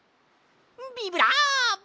ビブラボ！